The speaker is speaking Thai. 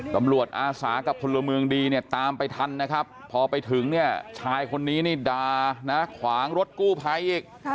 ตำรวจอาสากับผลมืองดีตามไปทันนะครับพอไปถึงชายคนนี้ดาขวางรถกู้ไพ่อีก